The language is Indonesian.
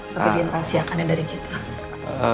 satu generasi akannya dari kita